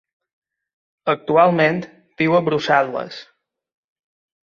Actualment, viu a Brussel·les.